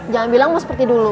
jangan bilang seperti dulu